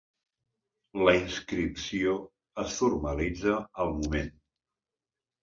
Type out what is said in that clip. La inscripció es formalitza al moment.